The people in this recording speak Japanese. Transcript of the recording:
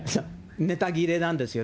ネタ切れなんですよ。